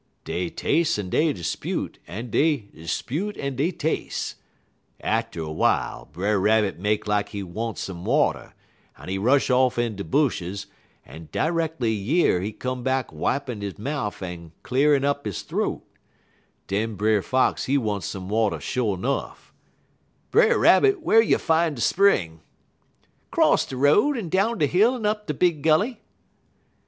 _' "Dey tas'e en dey 'spute, en dey 'spute en dey tas'e. Atter w'ile, Brer Rabbit make lak he want some water, en he rush off in de bushes, en d'reckly yer he come back wipin' he mouf en cle'rin' up he th'oat. Den Brer Fox he want some water sho' nuff: "'Brer Rabbit, whar you fin' de spring?' "'Cross de road, en down de hill en up de big gully.'